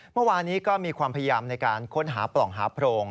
เมื่อวานนี้ก็มีความพยายามในการค้นหาปล่องหาโพรง